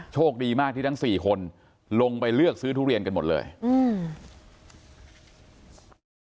โชคดีมากที่ทั้งสี่คนลงไปเลือกซื้อทุเรียนกันหมดเลยอืม